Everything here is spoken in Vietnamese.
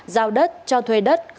giao đất cho thuê đất